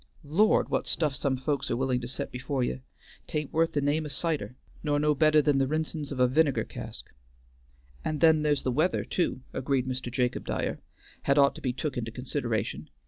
Lord! what stuff some folks are willin' to set before ye! 'tain't wuth the name o' cider, nor no better than the rensin's of a vinegar cask." "And then there's weather too," agreed Mr. Jacob Dyer, "had ought to be took into consideration.